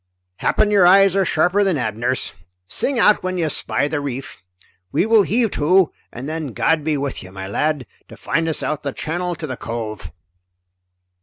Happen your eyes are sharper than Abner's. Sing out when you spy the reef. We will heave to, and then God be with you, my lad, to find us out the channel to the cove!"